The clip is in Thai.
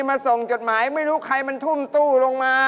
มาส่งจดหมายไม่รู้ใครมันทุ่มตู้ลงมา